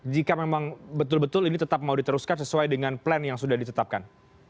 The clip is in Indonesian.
jika memang betul betul ini tetap mau diteruskan sesuai dengan plan yang sudah ditetapkan